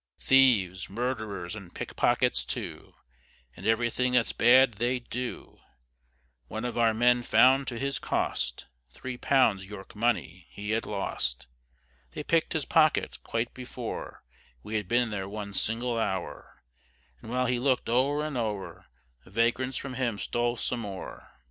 Thieves, murd'rers, and pickpockets too, And everything that's bad they'd do; One of our men found to his cost, Three pounds, York money, he had lost. They pick'd his pocket quite before We had been there one single hour; And while he lookèd o'er and o'er, The vagrants from him stole some more.